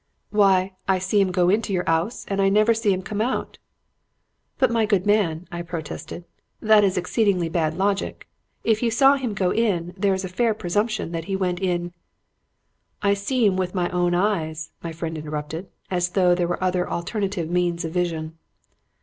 "'Why, I see 'im go into your 'ouse and I never see 'im come out.' "'But, my good man,' I protested, 'that is exceedingly bad logic. If you saw him go in, there is a fair presumption that he went in ' "'I see 'im with my own eyes,' my friend interrupted, as though there were other alternative means of vision.